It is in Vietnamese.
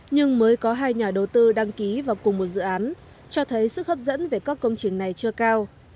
nhưng mới có hai nhà đầu tư đăng ký vào cùng một dự án cho thấy sức hấp dẫn về các công trình này chưa cao